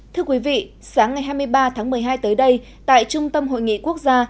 thưa quý vị sáng ngày hai mươi ba tháng một mươi hai tới đây tại trung tâm hội nghị quốc gia